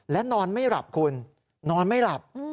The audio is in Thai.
และนอนไม่หลับคุณนอนไม่หลับ